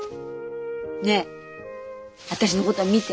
ねえ私のこと見て。